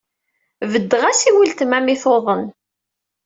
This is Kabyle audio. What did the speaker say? Beddeɣ-as i weltma mi tuḍen.